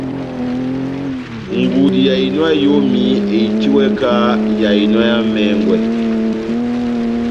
Ngudi ya ehinɔ ya eyomi ehitiwɛ kahá yá ehinɔ yá emɛngwɛ